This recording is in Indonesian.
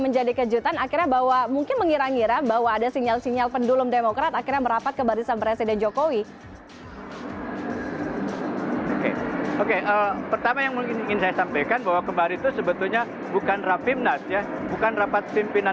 jadi ada satu kesadaran memang bahwa itu dibuat